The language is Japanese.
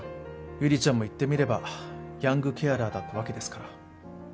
悠里ちゃんも言ってみればヤングケアラーだったわけですから。